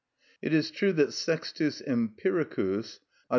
It is true that Sextus Empiricus (_adv.